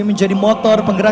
menjadi motor penghasilan